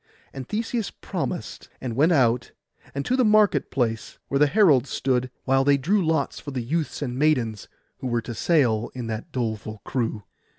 And Theseus promised, and went out, and to the market place where the herald stood, while they drew lots for the youths and maidens, who were to sail in that doleful crew.